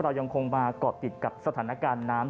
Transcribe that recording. เรายังคงมาเกาะติดกับสถานการณ์น้ำ